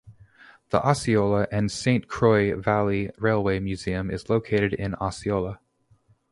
The Osceola and Saint Croix Valley Railway Museum is located in Osceola.